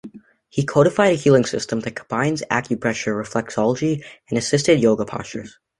He codified a healing system that combines acupressure, reflexology, and assisted yoga postures.